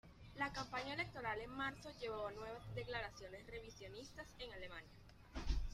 La campaña electoral en marzo llevó a nuevas declaraciones revisionistas en Alemania.